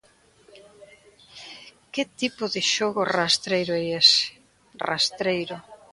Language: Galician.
¿Que tipo de xogo rastreiro é ese?, rastreiro.